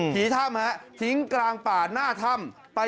ผีถ้ำทิ้งกลางป่าหน้าถ้ำ